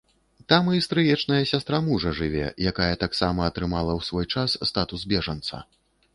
Там і стрыечная сястра мужа жыве, якая таксама атрымала ў свой час статус бежанца.